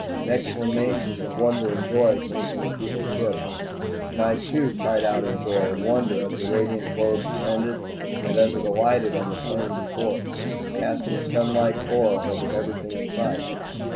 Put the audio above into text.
And exclamations of wonder and joy came from the people's throats; and I too cried out in joy and wonder as the radiant globe descended, and as it alighted on the plain before us, casting a sunlike aura over everything in sight.